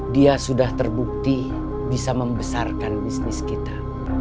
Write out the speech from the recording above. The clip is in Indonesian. dia sudah terbukti bisa membesarkan bisnis kita